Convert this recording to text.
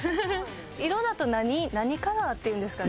「色だと何カラーって言うんですかね？」。